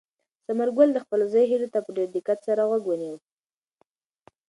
ثمرګل د خپل زوی هیلو ته په ډېر دقت سره غوږ ونیو.